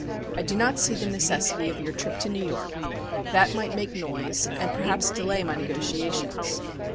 I do not see the necessity of your trip to New York; that might make noise and perhaps delay my negotiations."